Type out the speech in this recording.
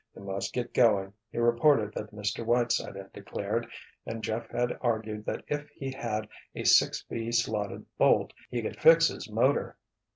They must get going, he reported that Mr. Whiteside had declared, and Jeff had argued that if he had a six B slotted bolt, he could fix his motor.